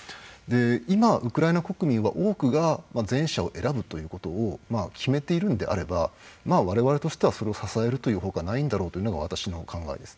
今、ウクライナ国民は多くが前者を選ぶということを決めているのであれば我々としてはそれを支えるというのが私の考えです。